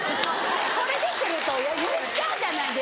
これで来ると許しちゃうじゃないですか。